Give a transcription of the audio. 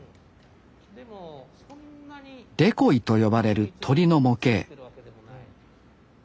デコイと呼ばれる鳥の模型